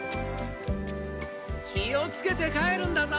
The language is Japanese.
気をつけて帰るんだぞ！